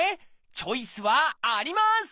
チョイスはあります！